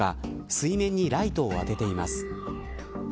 水面にライトを当てています。